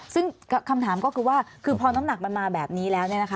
ซึ่งคำถามก็คือว่าคือพอน้ำหนักมันมาแบบนี้แล้ว